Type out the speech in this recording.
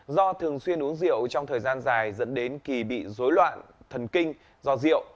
do thường xuyên uống rượu trong thời gian dài dẫn đến kỳ bị dối loạn thần kinh do rượu